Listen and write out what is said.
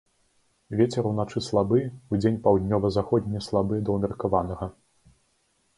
Вецер уначы слабы, удзень паўднёва-заходні слабы да ўмеркаванага.